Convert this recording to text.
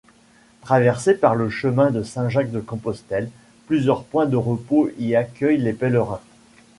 Traversée par le chemin de Saint-Jacques-de-Compostelle, plusieurs points de repos y accueillent les pèlerins.